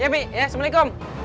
ya mi assalamualaikum